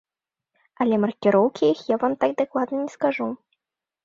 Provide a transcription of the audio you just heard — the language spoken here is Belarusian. Але маркіроўкі іх я вам так дакладна не скажу.